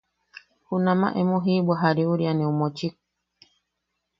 Junama emo jiʼibwa jariuriane ju mochik.